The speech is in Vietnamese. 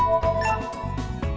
ờ anh hải